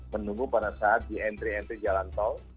menunggu pada saat di entry entry jalan tol